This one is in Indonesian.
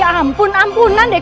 ampun ampunan deh